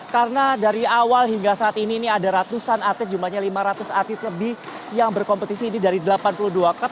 karena dari awal hingga saat ini ini ada ratusan atlet jumlahnya lima ratus atlet lebih yang berkompetisi ini dari delapan puluh dua klub